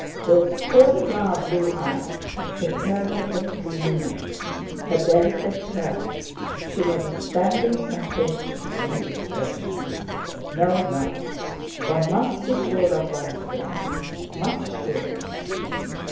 Those cornflower blue eyes, the turn of that creamy neck, her delicate curves—she was a standing temptation to indiscretion! No! No! One must be sure of one's ground—much surer!